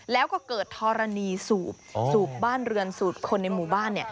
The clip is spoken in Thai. แล้วก็เกิดธรณีสูบสูบบ้านเรือนสูบคนในหมู่บ้าน